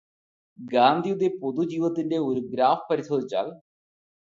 ഗാന്ധിയുടെ പൊതുജീവിതത്തിന്റെ ഒരു ഗ്രാഫ് പരിശോധിച്ചാല്